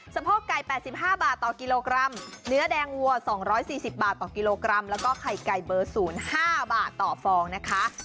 โพกไก่๘๕บาทต่อกิโลกรัมเนื้อแดงวัว๒๔๐บาทต่อกิโลกรัมแล้วก็ไข่ไก่เบอร์๐๕บาทต่อฟองนะคะ